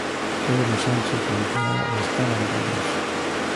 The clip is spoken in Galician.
Pedro Sánchez manterá o escano no Congreso.